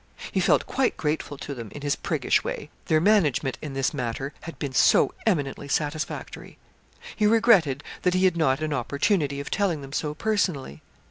He felt quite grateful to them, in his priggish way their management in this matter had been so eminently satisfactory. He regretted that he had not an opportunity of telling them so personally.